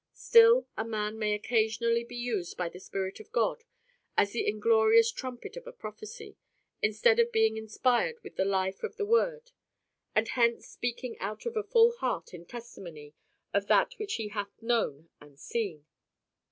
Still a man may occasionally be used by the Spirit of God as the inglorious "trumpet of a prophecy" instead of being inspired with the life of the Word, and hence speaking out of a full heart in testimony of that which he hath known and seen.